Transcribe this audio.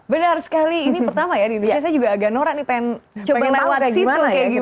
benar sekali ini pertama ya di indonesia saya juga agak norak nih pengen coba lewat situ kayak gitu